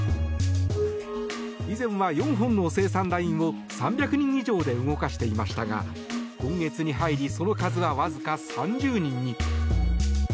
以前は４本の生産ラインを３００人以上で動かしていましたが今月に入りその数はわずか３０人に。